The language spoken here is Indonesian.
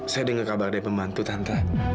saya dengar kabar dari pembantu tante